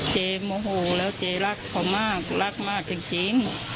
โมโหแล้วเจ๊รักเขามากรักมากจริง